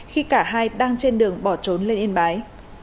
khi cả hai đang trên đường bỏ trốn lên yên bái